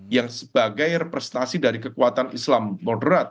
yang sebagai representasi dari kekuatan islam moderat